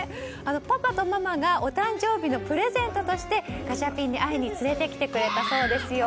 パパとママがお誕生日のプレゼントとしてガチャピンに会いに連れてきてくれたそうですよ。